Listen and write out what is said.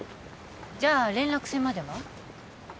じゃあ連絡船までは？